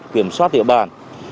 kiểm soát địa bàn